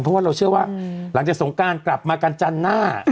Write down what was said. เพราะว่าเราเชื่อว่าหลังจากสงการกลับมากันจันทร์หน้า